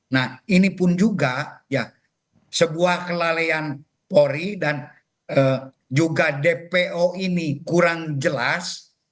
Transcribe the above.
nah ini pun juga ya sebuah kelalaian polri dan juga dpo ini kurang jelas